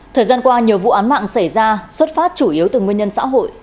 thời gian qua nhiều vụ án mạng xảy ra xuất phát chủ yếu từ nguyên nhân xã hội